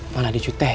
malah dicute hekin